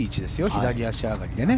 左足上がりでね。